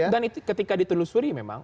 dan ketika ditelusuri memang